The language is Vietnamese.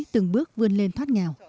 từng bước vươn lên thoát nghèo